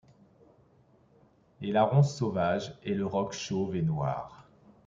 Et la ronce sauvage et le roc chauve et noir